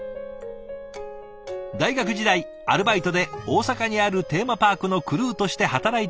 大学時代アルバイトで大阪にあるテーマパークのクルーとして働いていた野口さん。